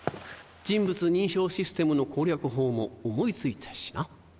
人物認証システムの攻略法も思い付いたしな。